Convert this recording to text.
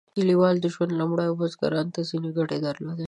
کلیوال ژوند لومړنیو بزګرانو ته ځینې ګټې درلودې.